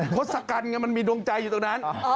เพราะสกัลมันมีดวงใจอยู่ตรงนั้น